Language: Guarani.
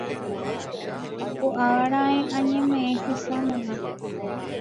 Ko'ág̃a raẽ añeme'ẽ hese mama